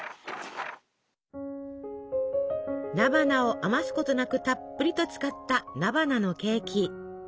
菜花を余すことなくたっぷりと使った菜花のケーキ。